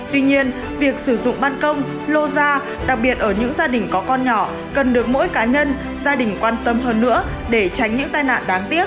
tuy nhiên việc sử dụng ban công lô da đặc biệt ở những gia đình có con nhỏ cần được mỗi cá nhân gia đình quan tâm hơn nữa để tránh những tai nạn đáng tiếc